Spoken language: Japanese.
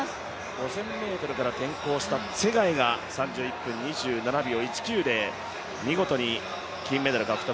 ５０００ｍから転向したツェガイが３１分２７秒１９で見事に金メダル獲得。